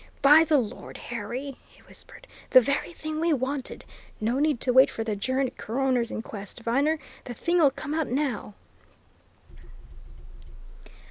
"By the Lord Harry!" he whispered, "the very thing we wanted! No need to wait for the adjourned coroner's inquest, Viner the thing'll come out now!"